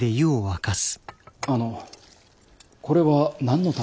あのこれは何のために。